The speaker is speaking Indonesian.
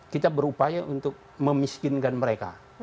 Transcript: kita berupaya untuk memiskinkan mereka